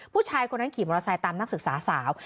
ผู้ชายคนนั้นขี่มอเตอร์ไซค์ตามนักศึกษาสาว